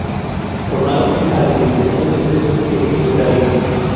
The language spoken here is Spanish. Formado en Administración de empresas, es empresario.